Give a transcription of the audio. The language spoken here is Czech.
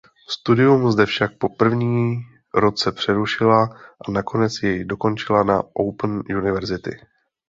Studium zde však po první roce přerušila a nakonec jej dokončila na Open University.